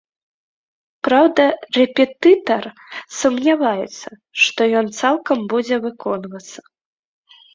Праўда, рэпетытар сумняваецца, што ён цалкам будзе выконвацца.